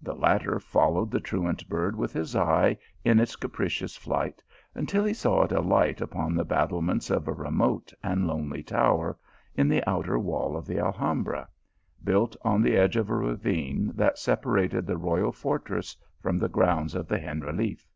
The latter fol lowed the truant bird with his eye in its capricious flight, until he saw it alight upon the battlements of a remote and lonely tower, in the outer wall of the Alhambra, built on the edge of a ravine that sepa rated the royal fortress from the grounds of the Generaliffe.